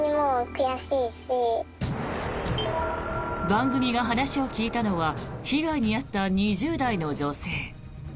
番組が話を聞いたのは被害に遭った２０代の女性。